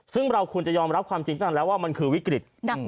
ซึ่งเราควรจะยอมรับความจริงตั้งแล้วว่ามันคือวิกฤต